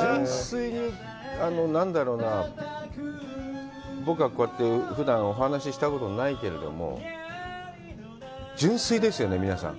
純粋に、何だろうな、僕はこうやってふだんお話ししたことないけれども、純粋ですよね、皆さん。